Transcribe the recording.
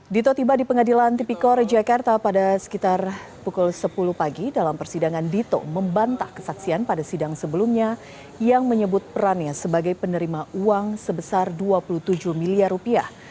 dito tiba di pengadilan tipikor jakarta pada sekitar pukul sepuluh pagi dalam persidangan dito membantah kesaksian pada sidang sebelumnya yang menyebut perannya sebagai penerima uang sebesar dua puluh tujuh miliar rupiah